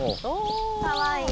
かわいい。